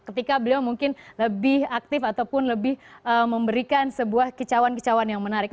ketika beliau mungkin lebih aktif ataupun lebih memberikan sebuah kicauan kicauan yang menarik